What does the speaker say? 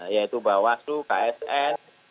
yaitu bawasu ksn